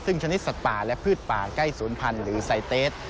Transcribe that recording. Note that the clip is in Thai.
ซึ่งชนิดสัตว์ป่าและพืชป่าใกล้ศูนย์พันธุ์หรือไซเตส